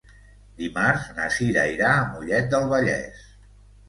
Dimarts na Cira irà a Mollet del Vallès.